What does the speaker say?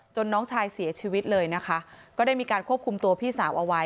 น้องชายเสียชีวิตเลยนะคะก็ได้มีการควบคุมตัวพี่สาวเอาไว้